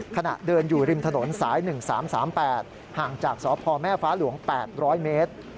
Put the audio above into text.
ขณะเดินอยู่ริมถนนสาย๑๓๓๘ห่างจากสพแม่ฟ้าหลวง๘๐๐เมตร